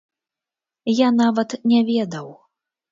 Я нават не ведаў.